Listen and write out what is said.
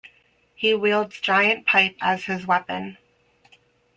He wields giant pipe as his weapon.